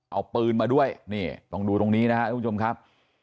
เอาปืนมาด้วยนี่ต้องดูตรงนี้นะครับทุกผู้ชมครับ